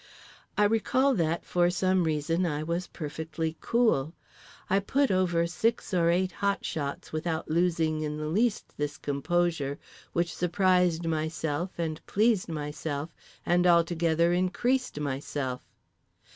I recall that, for some reason, I was perfectly cool. I put over six or eight hot shots without losing in the least this composure, which surprised myself and pleased myself and altogether increased myself.